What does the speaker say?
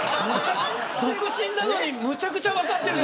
独身なのにむちゃくちゃ分かってる。